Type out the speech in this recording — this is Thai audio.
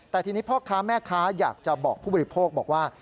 แต่ทีนี้พ่อค้าแม่ค้าอยากจะบอกผู้บริโภคบอกว่า